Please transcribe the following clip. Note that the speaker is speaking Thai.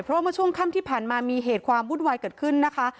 เพราะว่าเมื่อช่วงค่ำที่ผ่านมามีเหตุความวุ่นวายเกิดขึ้นนะคะ